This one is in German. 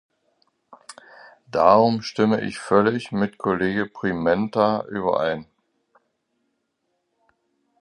Darum stimme ich völlig mit Kollege Pimenta überein.